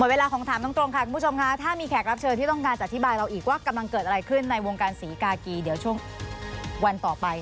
ว่ากำลังเกิดอะไรขึ้นในวงการสีกากีเดี๋ยวช่วงวันต่อไป